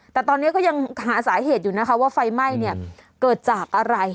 แต่ตอนนี้ก็ยังหาสาเหตุอยู่นะคะว่าไฟไหม้เนี่ยเกิดจากอะไร